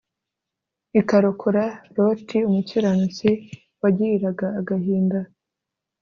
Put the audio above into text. ikarokora loti umukiranutsi wagiriraga agahinda